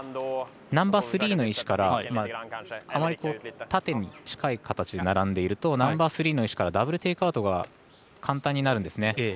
ナンバースリーの石からあまり縦に近い形で並んでいるとナンバースリーの石からダブル・テイクアウトが簡単になるんですね。